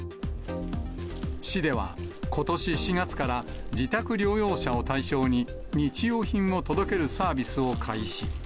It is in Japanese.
市では、ことし４月から自宅療養者を対象に、日用品を届けるサービスを開始。